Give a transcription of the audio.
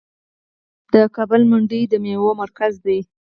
د کابل منډوي د میوو مرکز دی.